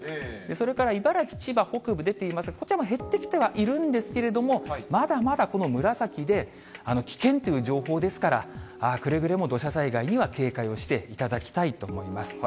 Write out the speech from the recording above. それから茨城、千葉北部、出ていますが、こちらも減ってきてはいるんですけれども、まだまだこの紫で危険っていう情報ですから、くれぐれも土砂災害には警戒をしていただきたいと思います。